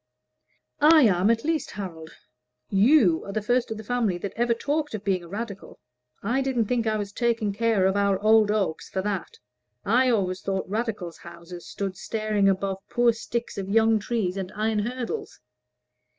"I am, at least, Harold. You are the first of your family that ever talked of being a Radical. I did not think I was taking care of our old oaks for that. I always thought Radicals' houses stood staring above poor sticks of young trees and iron hurdles."